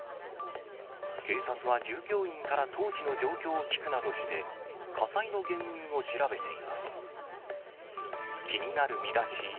警察は従業員から当時の状況を聴くなどして、火災の原因を調べています。